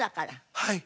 はい。